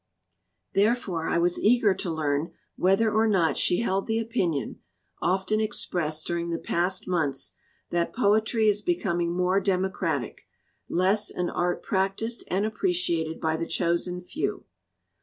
277 LITERATURE IN THE MAKING Therefore I was eager to learn whether or not she held the opinion often expressed during the past months that poetry is becoming more democratic, less an art practised and appreciated by the chosen few.